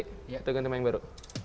kita ganti main baru